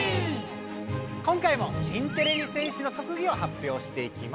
今回も新てれび戦士の特技を発表していきます。